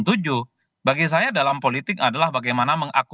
jadi itu bagi saya dalam politik adalah bagaimana mengakumatkan